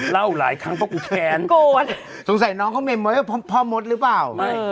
เล่าหลายครั้งเพราะว่ากูแค้นสงสัยน้องเขาเมร์มว่าเป็นพ่อมดหรือเปล่า